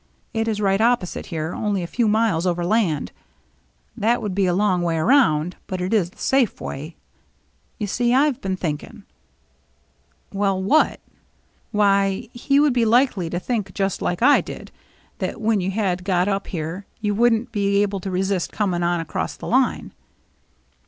It is right op posite here, only a few miles overland. That would be a long way around, but it is the safe way. You see, I've been thinking —" "Well — what?" " Why, he would be likely to think just like I did, that when you had got up here you wouldn't be able to resist coming on across the line."